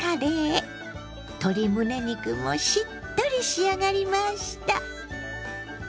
鶏むね肉もしっとり仕上がりました。